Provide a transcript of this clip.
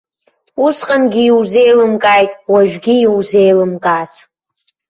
Усҟангьы иузеилымкааит, уажәгьы иузеилымкаац.